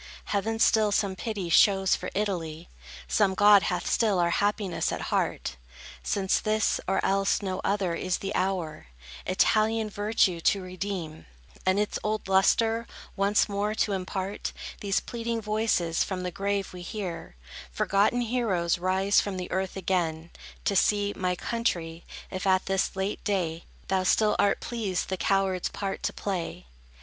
Heaven still some pity shows for Italy; Some god hath still our happiness at heart: Since this, or else no other, is the hour, Italian virtue to redeem, And its old lustre once more to impart, These pleading voices from the grave we hear; Forgotten heroes rise from earth again, To see, my country, if at this late day, Thou still art pleased the coward's part to play.